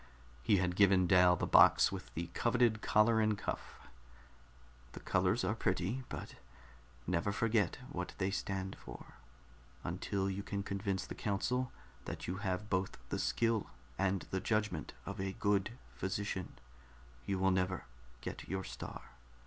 He had given Dal the box with the coveted collar and cuff. "The colors are pretty, but never forget what they stand for. Until you can convince the council that you have both the skill and the judgment of a good physician, you will never get your Star.